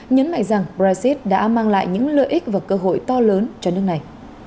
nhấn mạnh rằng brexit đã mang lại những lợi ích và cơ hội to lớn cho nước này